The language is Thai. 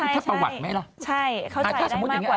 ถ้าประวัติไหมล่ะ